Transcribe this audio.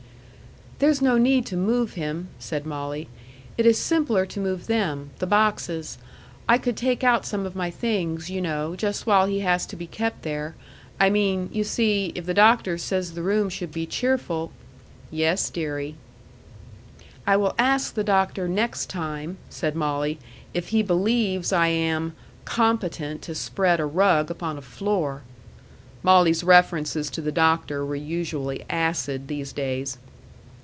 "There's no need to move him," said Molly. '"It is simpler to move them the boxes. I could take out some of my things, you know, just while he has to be kept there. I mean you see, if the doctor says the room should be cheerful " "Yes, deary." "I will ask the doctor next time," said Molly, "if he believes I am competent to spread a rug upon a floor." Molly's references to the doctor were usually acid these days.